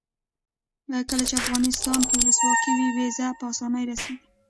کله چې افغانستان کې ولسواکي وي ویزه په اسانۍ راسیږي.